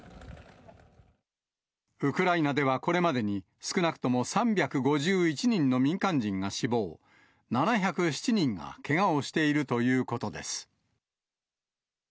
ウクライナではこれまでに、少なくとも３５１人の民間人が死亡、７０７人がけがをしているということです。